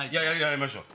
やりましょう。